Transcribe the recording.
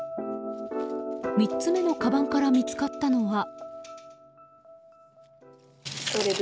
３つ目のかばんから見つかったのは。